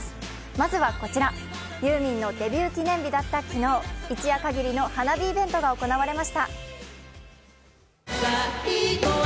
まずはこちら、ユーミンのデビュー記念日だった昨日、一夜かぎりの花火イベントが行われました。